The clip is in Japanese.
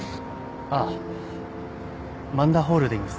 ああ萬田ホールディングスです。